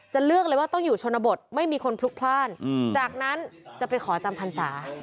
เลือกเลยว่าต้องอยู่ชนบทไม่มีคนพลุกพลาดจากนั้นจะไปขอจำพรรษา